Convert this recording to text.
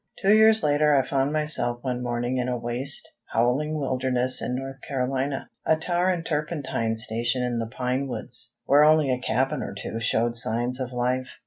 Two years later I found myself one morning in a waste, howling wilderness in North Carolina a tar and turpentine station in the pine woods, where only a cabin or two showed signs of life.